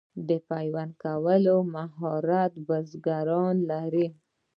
د پیوند کولو مهارت بزګران لري.